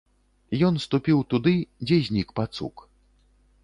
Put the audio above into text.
Ён ступіў туды, дзе знік пацук.